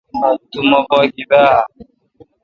تو مہ پاگیبہ اہ؟